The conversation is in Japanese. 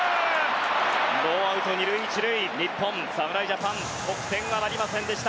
ノーアウト２塁１塁日本、侍ジャパン得点はなりませんでした